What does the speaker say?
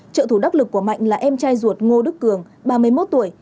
các lực của mạnh là em trai ruột ngô đức cường ba mươi một tuổi